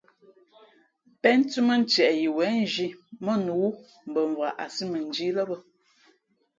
Pénthʉ́ mά ntieʼ yi wěn nzhī mά nǔ wú mbα mvak a sī mαnjīī lά bᾱ.